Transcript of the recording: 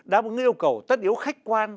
đáp ứng yêu cầu tất yếu khách quan